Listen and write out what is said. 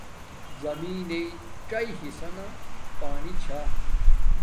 زمین نݵ څݵ حصہ نا پانی چھا